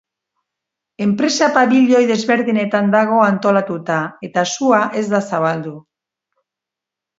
Enpresa pabilioi desberdinetan dago antolatuta, eta sua ez da zabaldu.